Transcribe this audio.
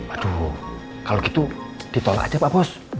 aduh kalau gitu ditolak aja pak bos